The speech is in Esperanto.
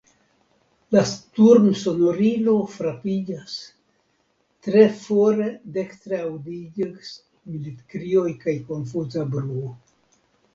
La sturmsonorilo frapiĝas; tre fore dekstre aŭdiĝas militkrioj kaj konfuza bruo.